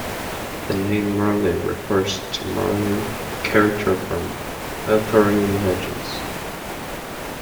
The name Merlin refers to Merlin, the character from Arthurian legends.